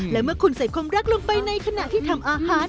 และเมื่อคุณใส่ความรักลงไปในขณะที่ทำอาหาร